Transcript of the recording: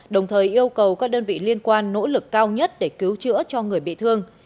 đồng thời yêu cầu các đơn vị liên quan nỗ lực cao nhất để cứu chữa cho người bị thương